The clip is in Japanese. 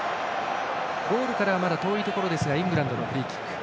ゴールからはまだ遠いところですがイングランドのフリーキック。